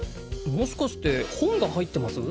もしかして本が入ってます？